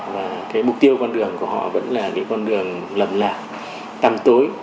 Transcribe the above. và cái mục tiêu con đường của họ vẫn là cái con đường lầm lạc tăng tối